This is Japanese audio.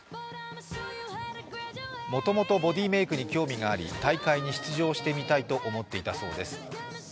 もともとボディメイクに興味があり大会に出場してみたいと思っていたそうです。